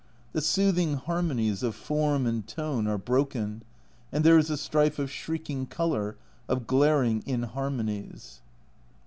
The soothing harmonies of form and tone are broken, and there is a strife of shrieking colour, of glaring inharmonies.